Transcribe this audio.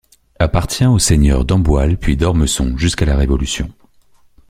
Appartient aux seigneurs d'Amboile puis d'Ormesson jusqu'à la Révolution.